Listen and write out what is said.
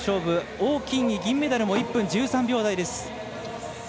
王欣怡、銀メダルも１分１３秒台です。